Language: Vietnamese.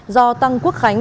do tăng quốc khánh